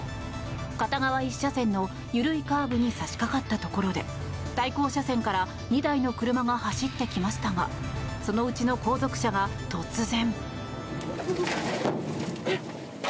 片側１車線の緩いカーブに差し掛かったところで対向車線から２台の車が走ってきましたがそのうちの後続車が突然。